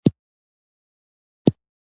د پروتوکول او تشریفاتو له مخې.